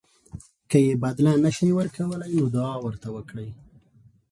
که یې بدله نه شئ ورکولی نو دعا ورته وکړئ.